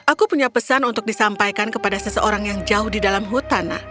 aku punya pesan untuk disampaikan kepada seseorang yang jauh di dalam hutan